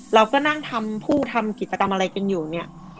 เราก็นั่งทำผู้ทำกิจกรรมอะไรกันอยู่เนี่ย